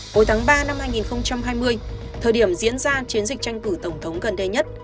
cuối tháng ba năm hai nghìn hai mươi thời điểm diễn ra chiến dịch tranh cử tổng thống gần đây nhất